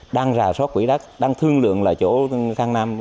đang rà soát quỹ đất đang thương lượng là chỗ thăng nam